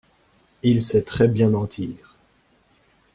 Il sait très bien mentir.